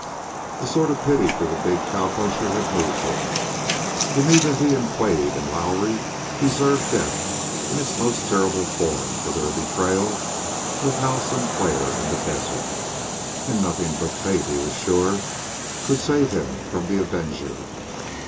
A sort of pity for the big cowpuncher moved him. He knew that he and Quade and Lowrie deserved death in its most terrible form for their betrayal of Hal Sinclair in the desert; and nothing but fate, he was sure, could save him from the avenger.